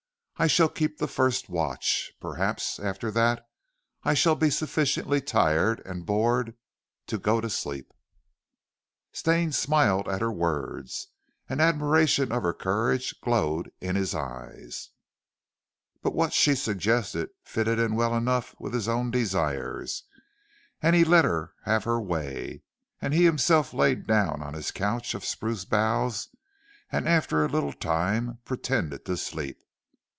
I shall keep the first watch, perhaps after that I shall be sufficiently tired and bored to go to sleep." Stane smiled at her words, and admiration of her courage glowed in his eyes, but what she suggested fitted in well enough with his own desires, and he let her have her way, and himself lay down on his couch of spruce boughs, and after a little time pretended to sleep.